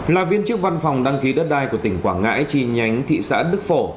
là viên chức văn phòng đăng ký đất đai của tỉnh quảng ngãi trì nhánh thị xã đức phổ